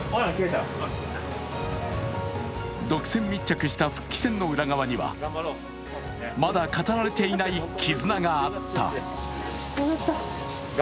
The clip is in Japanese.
独占密着した復帰戦の裏側にはまだ語られていない絆があった。